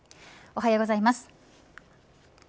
おはようございます。